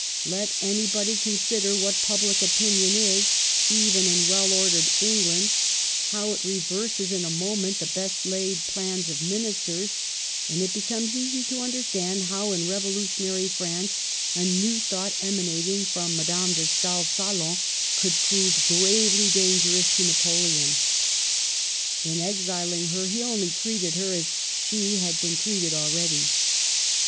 Let anybody consider what public opinion is, $ven in well ordered England, how it reverses in Digitized by VjOOQLC MEETS NAPOLEON. 97 a moment the best laid plans of Ministers, and it becomes easy to understand how in revolutionary France,' a new thought emanating from Madame \ de Stael's salon could prove gravely dangerous to \ Napoleon. In exiling her he only treated her as she had been treated already.